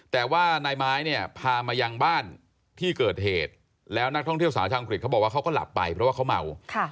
แต่ว่านายไม้เนี่ยพามายังบ้านที่เกิดเหตุแล้วนักท่องเที่ยวสาวชาวอังกฤษเขาบอกว่าเขาก็หลับไปเพราะว่าเขาเมา